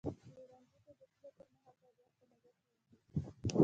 پلورنځي ته د تللو پر مهال باید وخت په نظر کې ونیول شي.